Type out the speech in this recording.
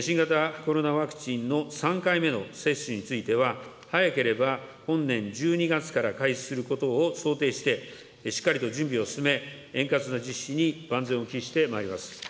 新型コロナワクチンの３回目の接種については、早ければ本年１２月から開始することを想定して、しっかりと準備を進め、円滑な実施に万全を期してまいります。